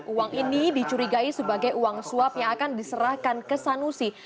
uang ini dicurigai sebagai uang suap yang akan diserahkan ke sanusi